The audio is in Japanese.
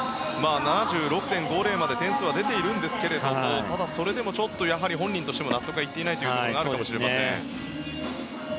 ７６．５０まで点数は出ているんですけどもただそれでも本人としても納得がいっていないというところがあるかもしれません。